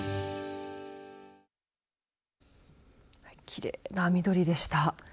きれいな緑でした。